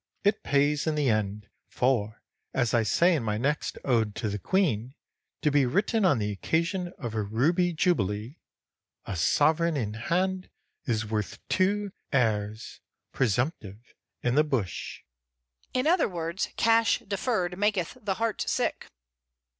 It pays in the end, for, as I say in my next ode to the Queen, to be written on the occasion of her Ruby Jubilee, 'A sovereign in hand is worth two heirs presumptive in the bush.'" "In other words, cash deferred maketh the heart sick."